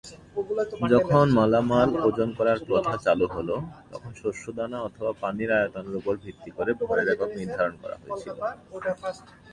যখন মালামাল ওজন করার প্রথা চালু হল, তখন শস্যদানা অথবা পানির আয়তনের ওপর ভিত্তি করে ভরের একক নির্ধারণ করা হয়েছিল।